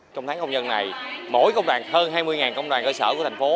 trong tháng công nhân này hơn hai mươi công đoàn cơ sở của thành phố